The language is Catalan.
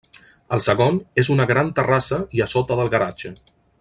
El segon, és una gran terrassa i a sota del garatge.